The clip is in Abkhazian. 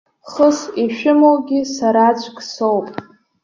Хыс ишәымоугьы сараӡәк соуп.